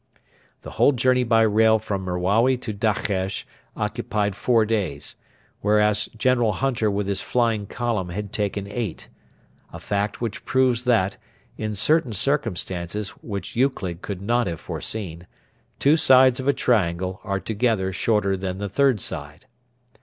The whole journey by rail from Merawi to Dakhesh occupied four days, whereas General Hunter with his flying column had taken eight a fact which proves that, in certain circumstances which Euclid could not have foreseen, two sides of a triangle are together shorter than the third side.